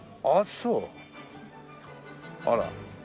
あら。